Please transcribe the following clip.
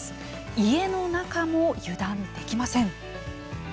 家の中も油断できません。